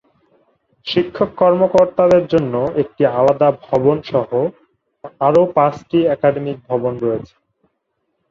শিক্ষক-কর্মকর্তাদের জন্য একটি আলাদা ভবন সহ আরো পাঁচটি একাডেমিক ভবন রয়েছে।